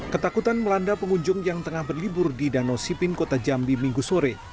ketakutan melanda pengunjung yang tengah berlibur di danau sipin kota jambi minggu sore